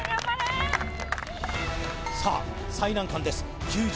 さあ最難関です